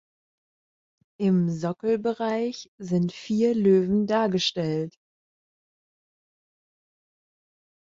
Im Sockelbereich sind vier Löwen dargestellt.